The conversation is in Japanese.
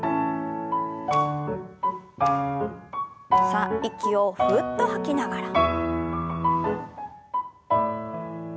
さあ息をふうっと吐きながら。